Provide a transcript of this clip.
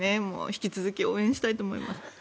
引き続き応援したいと思います。